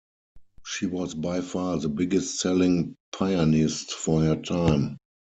She was by far the biggest selling pianist of her time.